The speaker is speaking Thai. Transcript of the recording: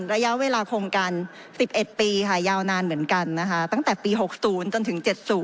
ระยะเวลาโครงการ๑๑ปีค่ะยาวนานเหมือนกันนะคะตั้งแต่ปี๖๐จนถึง๗๐